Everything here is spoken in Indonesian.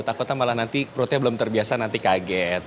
takutnya malah nanti perutnya belum terbiasa nanti kaget